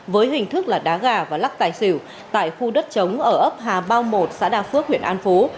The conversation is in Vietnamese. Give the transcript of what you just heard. với hình thức là đá gà và lắc tài xỉu tại khu đất chống ở ấp hà bao một xã đa phước huyện an phú